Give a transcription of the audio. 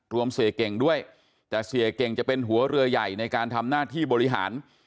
รวมเสียเก่งด้วยแต่เสียเก่งจะเป็นหัวเรือใหญ่ในการทำหน้าที่บริหาร